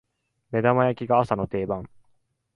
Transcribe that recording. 目玉焼きが朝の定番